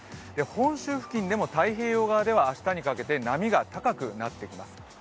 本州付近でも太平洋側では明日にかけて波が高くなってきます。